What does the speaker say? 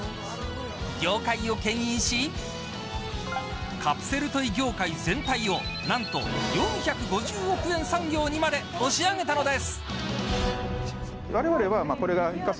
業界をけん引しカプセルトイ業界全体を何と４５０億円産業にまで押し上げたのです。